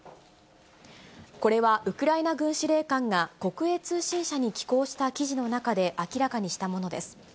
これは、ウクライナ軍司令官が国営通信社に寄稿した記事の中で明らかにしたものです。